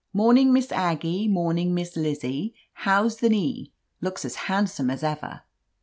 "Morning, Miss Aggie, morning. Miss Lizzie. How's the knee? Looks as handsome as ever.'